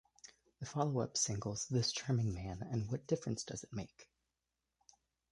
The follow-up singles "This Charming Man" and "What Difference Does It Make?